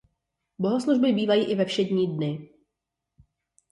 Bohoslužby bývají i ve všední dny.